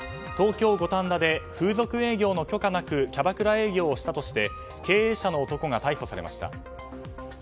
東京・五反田で風俗営業の許可なくキャバクラ営業をしたとして経営者の男が逮捕されました。